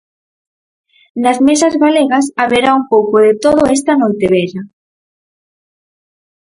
Nas mesas galegas haberá un pouco de todo esta Noitevella.